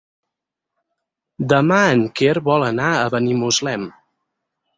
Demà en Quer vol anar a Benimuslem.